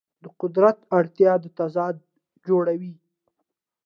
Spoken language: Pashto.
د قدرت اړتیا دا تضاد جوړوي.